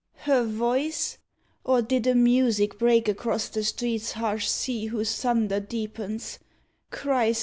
Her voice? Or did a music break Across the street's harsh sea Whose thunder deepens*? Christ!